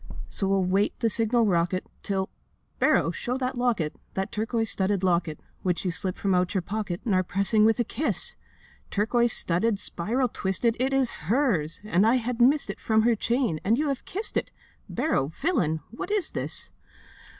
'So we'll wait the signal rocket, Till ... Barrow, show that locket, That turquoise studded locket, Which you slipped from out your pocket And are pressing with a kiss! Turquoise studded, spiral twisted, It is hers! And I had missed it From her chain; and you have kissed it: Barrow, villain, what is this?